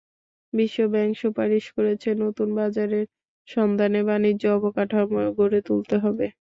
বিশ্বব্যাংক সুপারিশ করেছে, নতুন বাজারের সন্ধানে বাণিজ্য অবকাঠামো গড়ে তুলতে হবে।